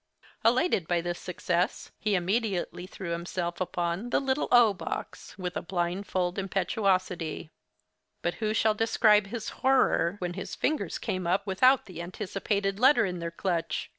Elated by this success, he immediately threw himself upon the little o box with a blindfold impetuosity—but who shall describe his horror when his fingers came up without the anticipated letter in their clutch?